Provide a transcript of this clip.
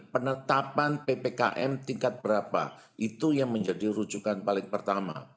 penetapan ppkm tingkat berapa itu yang menjadi rujukan paling pertama